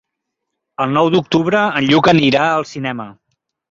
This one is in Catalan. El nou d'octubre en Lluc anirà al cinema.